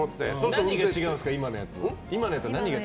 何が違うんですか、今のやつは。